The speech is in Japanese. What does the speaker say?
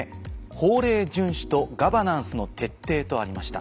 「法令遵守とガバナンスの徹底」とありました。